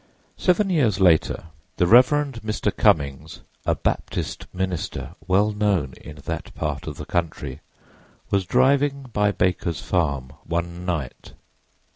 Seven years later the Rev. Mr. Cummings, a Baptist minister well known in that part of the country, was driving by Baker's farm one night.